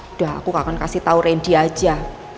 udah aku akan kasih tau randy aja